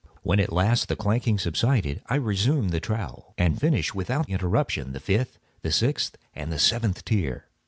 When at last the clanking subsided, I resumed the trowel, and finished without interruption the fifth, the sixth, and the seventh tier.